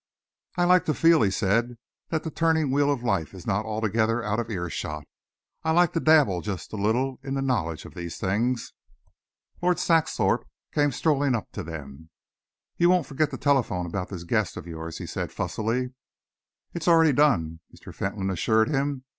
"I like to feel," he said, "that the turning wheel of life is not altogether out of earshot. I like to dabble just a little in the knowledge of these things." Lord Saxthorpe came strolling up to them. "You won't forget to telephone about this guest of yours?" he asked fussily. "It is already done," Mr. Fentolin assured him.